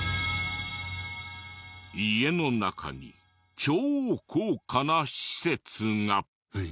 家の中に超高価な施設が。